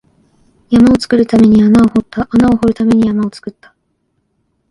山を作るために穴を掘った、穴を掘るために山を作った